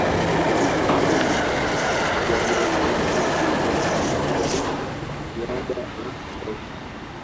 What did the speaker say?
Mashirika na makampuni yaliyotaifishwa hayakuzalisha ziada ya kutosha